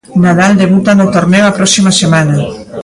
Nadal debuta no torneo a próxima semana.